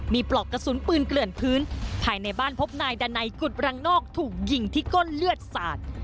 มีปลอกกระสุนปืนเกลื่อนพื้นภายในบ้านพบนายดานัยกุฎรังนอกถูกยิงที่ก้นเลือดสาด